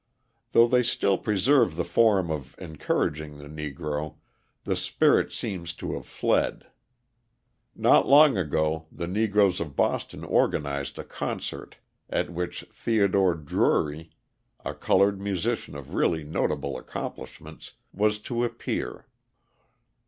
Though they still preserve the form of encouraging the Negro, the spirit seems to have fled. Not long ago the Negroes of Boston organised a concert at which Theodore Drury, a coloured musician of really notable accomplishments, was to appear.